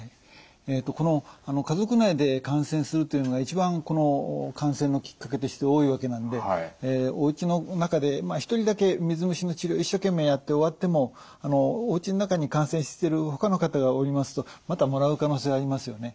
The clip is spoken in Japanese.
この家族内で感染するというのが一番感染のきっかけとして多いわけなのでおうちの中で一人だけ水虫の治療を一生懸命やって終わってもおうちの中に感染してるほかの方がおりますとまたもらう可能性がありますよね。